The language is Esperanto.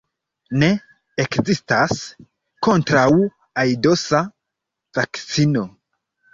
Ne ekzistas kontraŭ-aidosa vakcino.